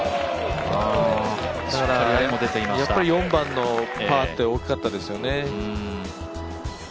やっぱり４番のパーって大きかったですよね。